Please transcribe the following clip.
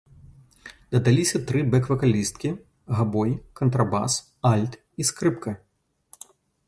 Дадаліся тры бэк-вакалісткі, габой, кантрабас, альт і скрыпка.